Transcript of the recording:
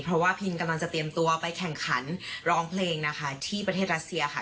เพราะว่าพินกำลังจะเตรียมตัวไปแข่งขันร้องเพลงนะคะที่ประเทศรัสเซียค่ะ